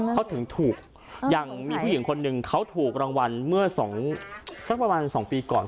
เขาถึงถูกอย่างมีผู้หญิงคนหนึ่งเขาถูกรางวัลเมื่อสักประมาณ๒ปีก่อน